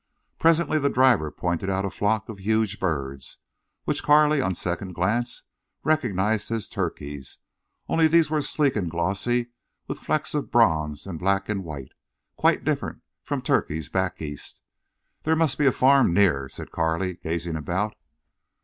Presently the driver pointed out a flock of huge birds, which Carley, on second glance, recognized as turkeys, only these were sleek and glossy, with flecks of bronze and black and white, quite different from turkeys back East. "There must be a farm near," said Carley, gazing about.